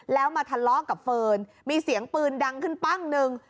แล้วมาทะเลาะกับเฟิร์นมีเสียงปืนดังขึ้นปั้งหนึ่ง